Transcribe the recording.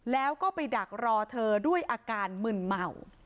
แล้วก็ไปดักรอเธอด้วยอาการมึนเมา